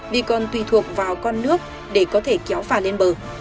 đi còn tùy thuộc vào con nước để có thể kéo phà lên bờ